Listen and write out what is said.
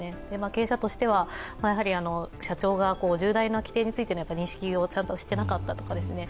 経営者としては、社長が重大な規程についての認識をちゃんとしてなかったことですね。